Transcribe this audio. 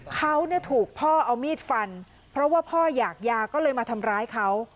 เขาถูกพ่อเอามีดฟันเพราะว่าพ่ออยากยาก็เลยมาทำร้ายเขา